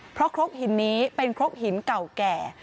เพราะครกหินนี้เป็นครกหินเก่าแก่